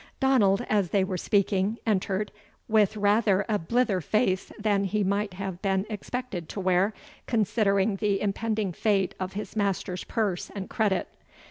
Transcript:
Donald, as they were speaking, entered, with rather a blither face than he might have been expected to wear, considering the impending fate of his master's purse and credit.